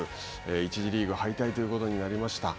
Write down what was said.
１次リーグ敗退ということになりました。